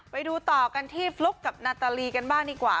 ไปดูต่อกันที่ฟลุ๊กกับนาตาลีกันบ้างดีกว่า